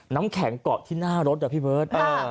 น้ำแข็งเกาะที่หน้ารถอะพี่เบิร์ต